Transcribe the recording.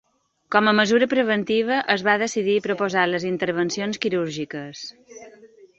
Com a mesura preventiva, es va decidir posposar les intervencions quirúrgiques.